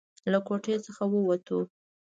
له کوټې څخه ووتو.